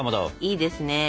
いいですね。